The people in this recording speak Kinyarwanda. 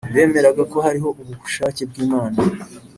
bemeraga ko hariho ubushake bw’imana,